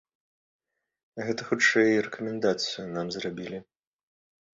Гэта, хутчэй, рэкамендацыю нам зрабілі.